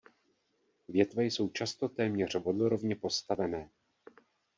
Větve jsou často téměř vodorovně postavené.